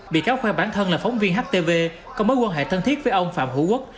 bị cáo khoe bản thân là phóng viên htv có mối quan hệ thân thiết với ông phạm hữu quốc